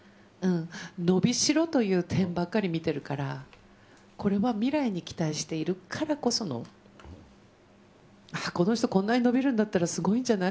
伸びしろという点ばかり見ているから、これは未来に期待しているからこその、この人、こんなに伸びるんだったら、すごいんじゃない？